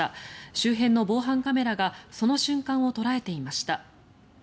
周辺の防犯カメラがその瞬間を捉えていました。